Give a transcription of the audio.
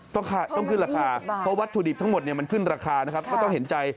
ต้องขายต้องขึ้นราคาเพราะวัตถุดิบทั้งหมดมันขึ้นราคานะครับต้องเห็นใจ